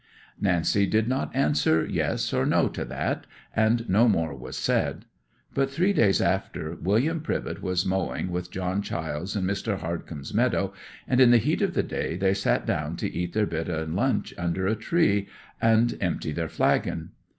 'Nancy did not answer yes or no to that, and no more was said. But three days after, William Privett was mowing with John Chiles in Mr. Hardcome's meadow, and in the heat of the day they sat down to eat their bit o' nunch under a tree, and empty their flagon.